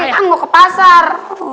mungkin kan mau ke pasar